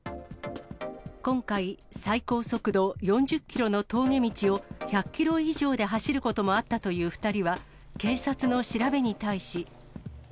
今回、最高速度４０キロの峠道を１００キロ以上で走ることもあったという２人は、警察の調べに対し。